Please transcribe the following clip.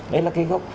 đấy là cái gốc